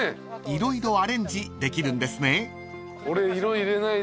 ［色々アレンジできるんですね］